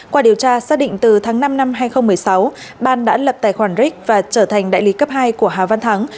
qua điều tra xác định từ tháng năm năm hai nghìn một mươi sáu ban đã lập tài khoản ric và trở thành đại lý cấp hai của hà văn thắng